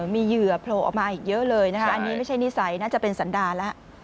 มีเหยื่อโผล่ออกมาอีกเยอะเลยนะคะอันนี้ไม่ใช่นิสัยน่าจะเป็นสันดาแล้ว